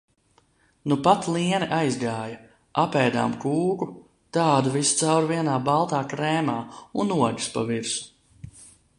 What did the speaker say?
Nupat Liene aizgāja, apēdām kūku, tādu viscaur vienā baltā krēmā un ogas pa virsu.